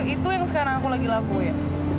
itu yang sekarang aku lagi laku ya